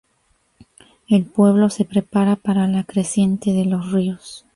El pueblo se prepara para la creciente de los ríos.